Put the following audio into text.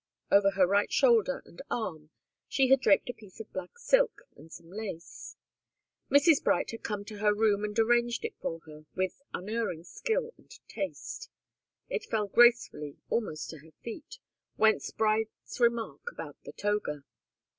Over her right shoulder and arm she had draped a piece of black silk and some lace. Mrs. Bright had come to her room and arranged it for her with unerring skill and taste. It fell gracefully almost to her feet, whence Bright's remark about the toga.